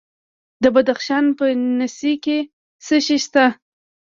د بدخشان په نسي کې څه شی شته؟